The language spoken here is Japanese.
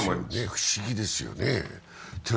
不思議ですよね。